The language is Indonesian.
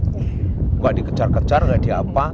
tidak dikejar kejar tidak diapa